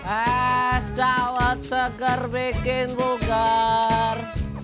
es dawet seger bikin bugar